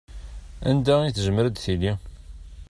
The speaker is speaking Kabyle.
Anda i tezmer ad tili?